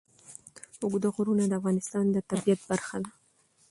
اوږده غرونه د افغانستان د طبیعت برخه ده.